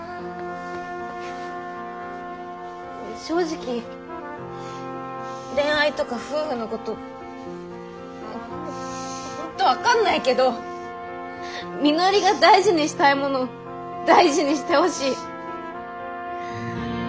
正直恋愛とか夫婦のこと本当分かんないけどみのりが大事にしたいもの大事にしてほしい。